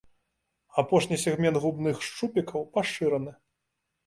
Апошні сегмент губных шчупікаў пашыраны.